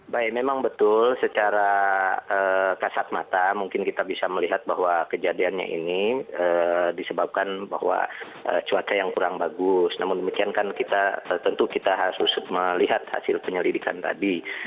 baik memang betul secara kasat mata mungkin kita bisa melihat bahwa kejadiannya ini disebabkan bahwa cuaca yang kurang bagus namun demikian kan kita tentu kita harus melihat hasil penyelidikan tadi